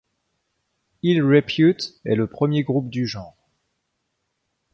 Ill Repute est le premier groupe du genre.